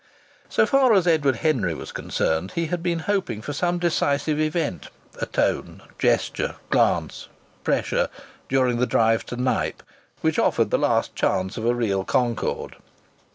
So far as Edward Henry was concerned he had been hoping for some decisive event a tone, gesture, glance, pressure during the drive to Knype, which offered the last chance of a real concord.